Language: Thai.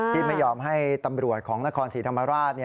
ที่ไม่ยอมให้ตำรวจของนครศรีธรรมราช